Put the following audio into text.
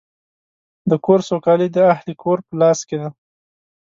د کور سوکالي د اهلِ کور په لاس کې ده.